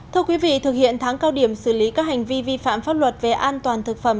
thưa quý vị thực hiện tháng cao điểm xử lý các hành vi vi phạm pháp luật về an toàn thực phẩm